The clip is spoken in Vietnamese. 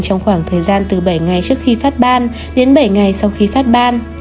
trong khoảng thời gian từ bảy ngày trước khi phát ban đến bảy ngày sau khi phát ban